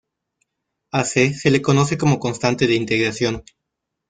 A "C" se le conoce como "constante de integración".